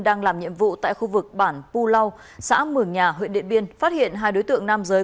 đang làm nhiệm vụ tại khu vực bản pu lau xã mường nhà huyện điện biên phát hiện hai đối tượng nam giới